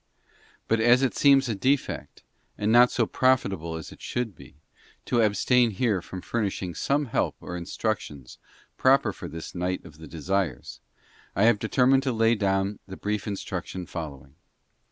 But as it seems a defect, and not so profitable as it should be, to abstain here from furnish ing some help or instructions proper for this night of the desires, I have determined to lay down the brief instruction following.